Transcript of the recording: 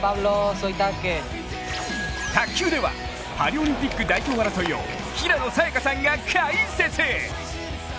卓球ではパリオリンピック代表争いを、平野早矢香さんが解説！